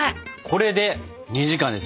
これで２時間ですね？